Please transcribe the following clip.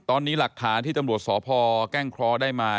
ตอนนี้หลักฐานที่ตำรวจสพแก้งเคราะห์ได้มา